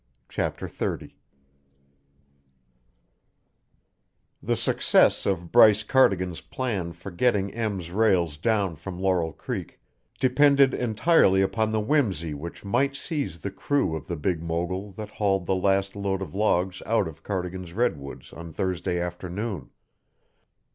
CHAPTER XXX The success of Bryce Cardigan's plan for getting Ms rails down from Laurel Creek depended entirely upon the whimsy which might seize the crew of the big mogul that hauled the last load of logs out of Cardigan's redwoods on Thursday afternoon.